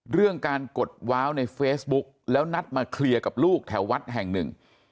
เรื่องการกดว้าวในเฟซบุ๊กแล้วนัดมาเคลียร์กับลูกแถววัดแห่งหนึ่ง